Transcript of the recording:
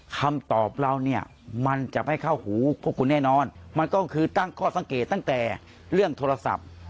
คำตอบเราเนี่ยมันจะไม่เข้าหูพวกคุณแน่นอนมันก็คือตั้งข้อสังเกตตั้งแต่เรื่องโทรศัพท์